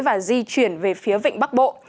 và di chuyển về phía vịnh bắc bộ